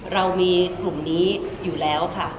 เรามีกลุ่มนี้อยู่แล้วค่ะ